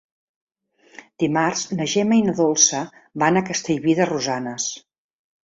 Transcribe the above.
Dimarts na Gemma i na Dolça van a Castellví de Rosanes.